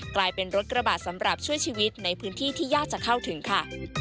กลายเป็นรถกระบะสำหรับช่วยชีวิตในพื้นที่ที่ยากจะเข้าถึงค่ะ